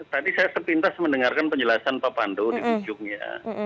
tadi saya sepintas mendengarkan penjelasan pak pandu di ujungnya